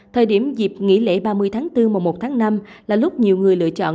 thời điểm dịp nghỉ lễ ba mươi tháng bốn mùa một tháng năm là lúc nhiều người lựa chọn